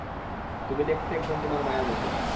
তুমি দেখতে একদম তোমার মায়ের মতো।